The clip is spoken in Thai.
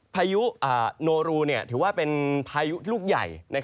พายุโนรูถือว่าเป็นพายุลูกใหญ่